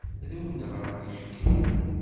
Ad awen-d-ɣreɣ ticki?